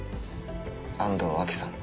安堂亜希さん